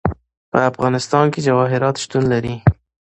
په افغانستان کې جواهرات شتون لري.